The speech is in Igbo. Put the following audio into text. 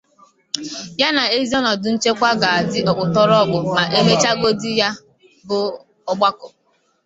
ya na ezi ọnọdụ nchekwa ga-adị ọkpụtọrọkpụ ma e mechagodụ ya bụ ọgbakọ.